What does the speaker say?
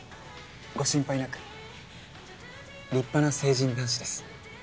ご心配なく立派な成人男子です